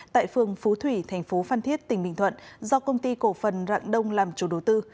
tại phường phú thủy thành phố phan thiết tỉnh bình thuận do công ty cổ phần rạng đông làm chủ đầu tư